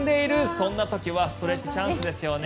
そんな時はストレッチチャンスですよね。